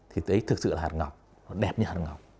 thì thấy thực sự là hạt ngọc đẹp như hạt ngọc